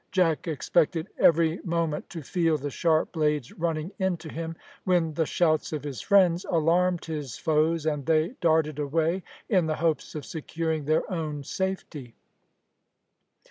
Jack expected every moment to feel the sharp blades running into him, when the shouts of his friends alarmed his foes, and they darted away in the hopes of securing their own safety.